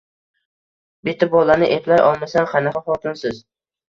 Bitta bolani eplay olmasangiz qanaqa xotinsiz